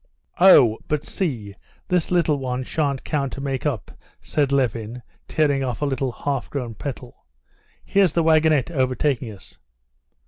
"Oh, but see, this little one shan't count to make up," said Levin, tearing off a little half grown petal. "Here's the wagonette overtaking us."